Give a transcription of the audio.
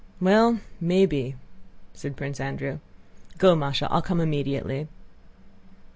"Well, maybe!" said Prince Andrew. "Go, Másha; I'll come immediately."